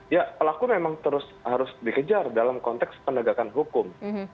ya pelaku memang terus harus dikejar dalam konteks penegakan hukum